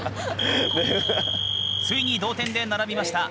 ついに同点で並びました。